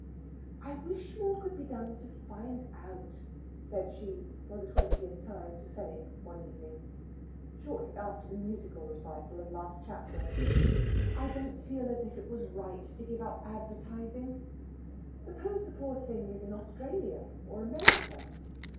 "I wish more could be done to find out," said she for the twentieth time to Fenwick one evening, shortly after the musical recital of last chapter. "I don't feel as if it was right to give up advertising. Suppose the poor thing is in Australia or America."